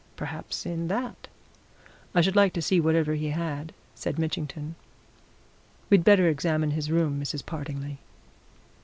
Perhaps in that " "I should like to see whatever he had," said Mitchington. "We'd better examine his room, Mrs. Partingley."